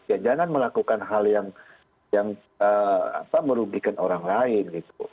ya jangan melakukan hal yang merugikan orang lain gitu